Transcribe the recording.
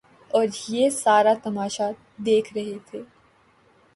اوریہ سارا تماشہ دیکھ رہے تھے۔